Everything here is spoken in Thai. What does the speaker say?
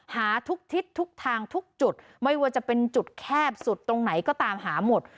หาทุกทิศทุกทางทุกจุดไม่ว่าจะเป็นจุดแคบสุดตรงไหนก็ตามหาหมด